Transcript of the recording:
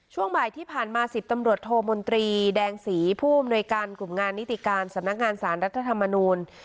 ช่วงบ่ายที่ผ่านมา๑๐ตำรวจโทมนตรีแดงศรีผู้อำนวยการกลุ่มงานนิติการสำนักงานสารรัฐธรรมนูล